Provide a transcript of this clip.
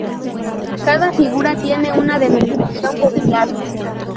Cada figura tiene una denominación popular.